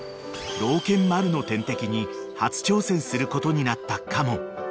［老犬マルの点滴に初挑戦することになった嘉門］